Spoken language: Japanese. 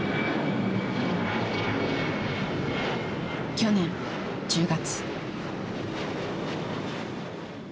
去年１０月。